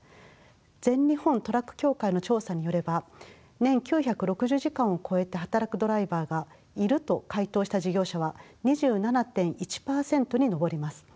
全日本トラック協会の調査によれば年９６０時間を超えて働くドライバーが「いる」と回答した事業者は２７．１％に上ります。